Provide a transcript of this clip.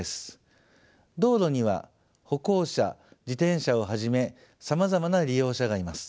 道路には歩行者自転車をはじめさまざまな利用者がいます。